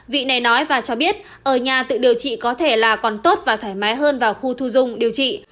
vị này nói và cho biết ở nhà tự điều trị có thể là còn tốt và thoải mái hơn vào khu thu dung điều trị